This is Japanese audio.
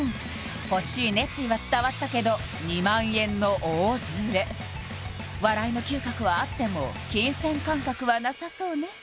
欲しい熱意は伝わったけど２００００円の大ズレ笑いの嗅覚はあっても金銭感覚はなさそうね